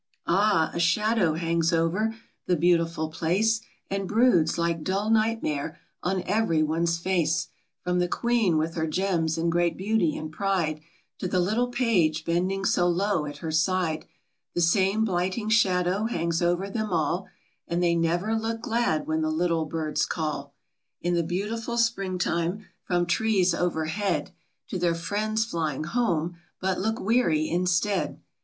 Ah ! a shadow hangs over the beautiful place, And broods, like dull nightmare, on every one's face. From the Queen, with her gems, and great beauty and pride, To the little page, bending so low at her side, The same blighting shadow hangs over them all, And they never look glad when the little birds call, In the beautiful spring time, from trees overhead, To their friends flying home, but look weary instead.